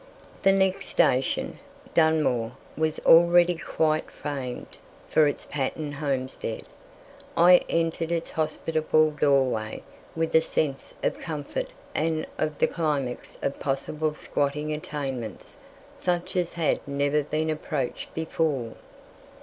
The next station, Dunmore, was already quite famed for its pattern homestead. I entered its hospitable doorway with a sense of comfort and of the climax of possible squatting attainments such as had never been approached before.